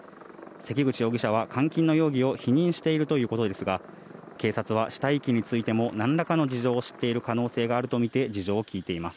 関口容疑者は監禁の容疑を否認しているということですが、警察は死体遺棄についてもなんらかの事情を知っている可能性があると見て、事情を聴いています。